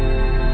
ya udah deh